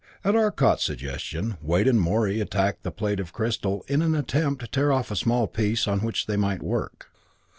At Arcot's suggestion, Wade and Morey attacked the plate of crystal in an attempt to tear off a small piece, on which they might work.